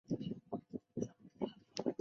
委员会推举方宗鳌为代表中国大学。